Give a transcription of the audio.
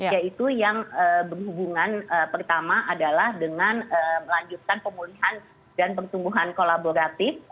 yaitu yang berhubungan pertama adalah dengan melanjutkan pemulihan dan pertumbuhan kolaboratif